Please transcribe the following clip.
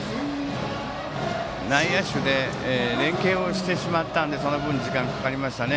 内野手で連係をしてしまったのでその分時間がかかりましたね。